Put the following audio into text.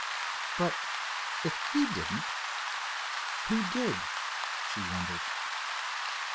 "But, if he didn't, who did?" she wondered.